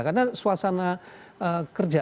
karena suasana kerja